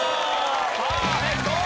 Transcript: パーフェクト！